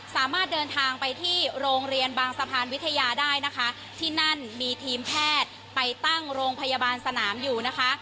สามารถเดินทางไปที่โรงเรียนบางสะพานวิทยาได้นะคะที่นั่นมีทีมแพทย์ไปตั้งโรงพยาบาลสนามอยู่นะคะ